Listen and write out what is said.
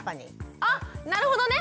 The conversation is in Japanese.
あっなるほどね！